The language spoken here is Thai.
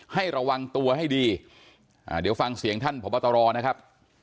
ให้ระวังตัวให้ดีเดี๋ยวฟังเสียงท่านพบตรนะครับ